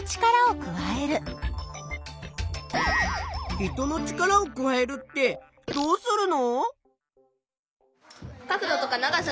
人の力を加えるってどうするの？